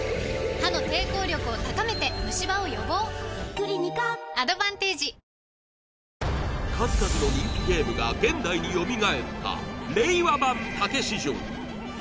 クリニカアドバンテージ数々の人気ゲームが現代によみがえった令和版・たけし城